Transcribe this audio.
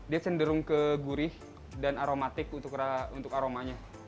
dia cenderung ke gurih dan aromatik untuk aromanya